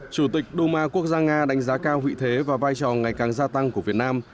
chủ tịch duma quốc gia nga đánh giá cao vị thế và vai trò ngày càng gia tăng của việt nam